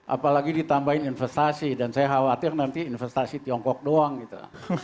apalagi ditambahin investasi dan saya khawatir nanti investasi tiongkok doang gitu